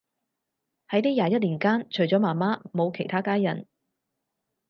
喺呢廿一年間，除咗媽媽冇其他家人